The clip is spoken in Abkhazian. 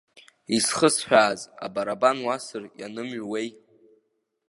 Изхысҳәааз, абарабан уасыр ианымҩуеи?